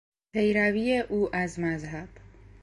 پیروی او از مذهب